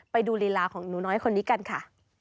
ไปดูลีลาของหนูน้อยคนนี้กันค่ะ